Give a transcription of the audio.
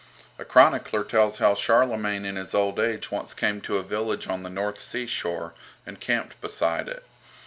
A chronicler tells how Charlemagne in his old age once came to a village on the North Sea shore, and camped beside it.